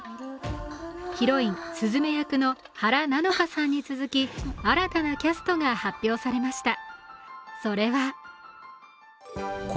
ヒロイン・すずめ役の原菜乃華さんに続き新たなキャストが発表されました。